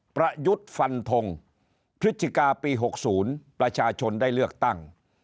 ประยุทธ์ฟันทงพฤศจิกาปี๖๐ประชาชนได้เลือกตั้ง